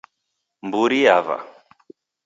Mburi yava